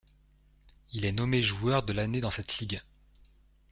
Il est nommé joueur de l'année dans cette ligue.